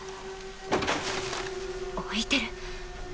開いてる。